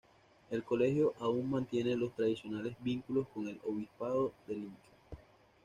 El colegio aún mantiene los tradicionales vínculos con el Obispado de Lincoln.